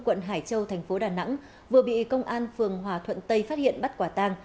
quận hải châu thành phố đà nẵng vừa bị công an phường hòa thuận tây phát hiện bắt quả tang